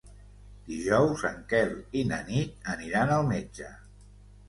Dijous en Quel i na Nit aniran al metge.